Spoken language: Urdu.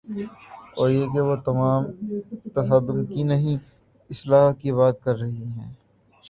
اوریہ کہ وہ تصادم کی نہیں، اصلاح کی بات کررہی ہے۔